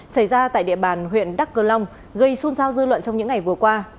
xảy ra tại địa bàn huyện đắk cơ long gây xuân sao dư luận trong những ngày vừa qua